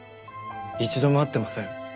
一度も会ってません。